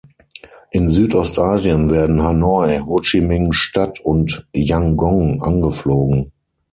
In Südostasien werden Hanoi, Ho-Chi-Minh-Stadt und Yangon angeflogen.